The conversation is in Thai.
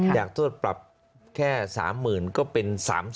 จากโทษปรับแค่๓๐๐๐ก็เป็น๓๐๐๐